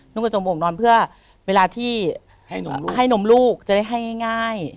กระจมโอ่งนอนเพื่อเวลาที่ให้นมลูกจะได้ให้ง่าย